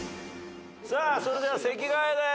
さあそれでは席替えです。